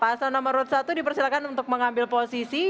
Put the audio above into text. pasal nomor satu dipersilakan untuk mengambil posisi